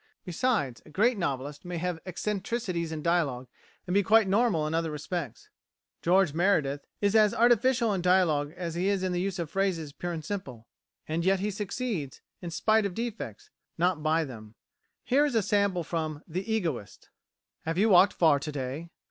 Besides, a great novelist may have eccentricities in dialogue, and be quite normal in other respects. George Meredith is as artificial in dialogue as he is in the use of phrases pure and simple, and yet he succeeds, in spite of defects, not by them. Here is a sample from "The Egoist": "Have you walked far to day?"